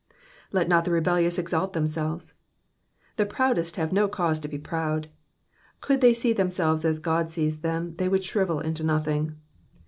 '^''Let not the rebelU&us exalt themselves.''^ The proudest have no cause to be proud. Could they see them selves as God sees them they would shrivel into nothing.